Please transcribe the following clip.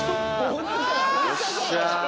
よっしゃ。